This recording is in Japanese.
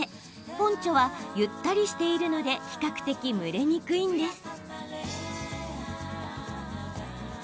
ポンチョはゆったりしているので比較的、蒸れにくいんです。